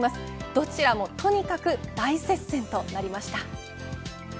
どちらも、とにかく大接戦となりました。